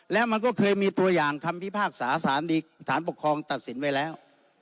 แล้วมันก็เคยมีตัวอย่างคำพิพากษาสารดีสารปกครองตัดสินไว้แล้ว